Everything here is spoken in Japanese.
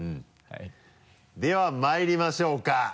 ではまいりましょうか。